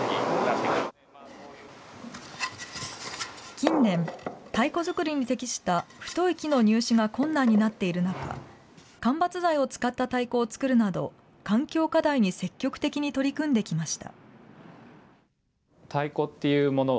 近年、太鼓作りに適した太い木の入手が困難になっている中、間伐材を使った太鼓を作るなど、環境課題に積極的に取り組んできました。